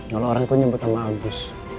kalau orang itu nyebut nama agus